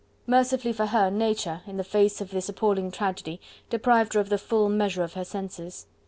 Mercifully for her, nature in the face of this appalling tragedy deprived her of the full measure of her senses.